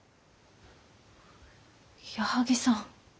矢作さん。